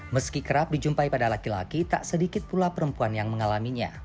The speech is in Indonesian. meski kerap dijumpai pada laki laki tak sedikit pula perempuan yang mengalaminya